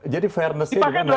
jadi fairness nya dimana gitu loh